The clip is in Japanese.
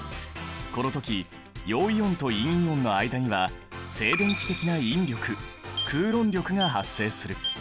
この時陽イオンと陰イオンの間には静電気的な引力クーロン力が発生する。